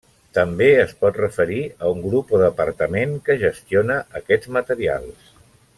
També es pot referir a un grup o departament que gestiona aquests materials.